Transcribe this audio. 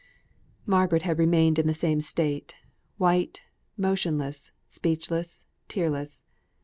Margaret had remained in the same state; white, motionless, speechless, tearless.